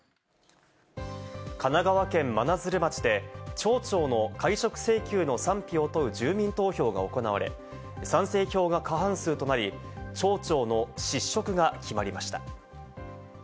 神奈川県真鶴町で町長の解職請求の賛否を問う住民投票が行われ、賛成票が過半数となり、町長の失職が決まりました。